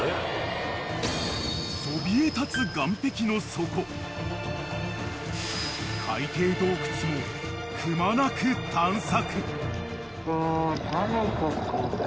［そびえ立つ岸壁の底海底洞窟もくまなく探索］